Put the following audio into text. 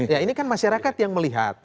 ya ini kan masyarakat yang melihat